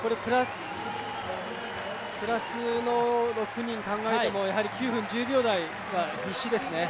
プラスの６人考えても９分１０秒台は必至ですね。